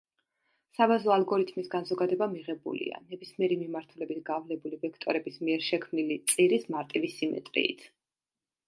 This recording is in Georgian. საბაზო ალგორითმის განზოგადება მიღებულია, ნებისმიერი მიმართულებით გავლებული ვექტორების მიერ შექმნილი წირის მარტივი სიმეტრიით.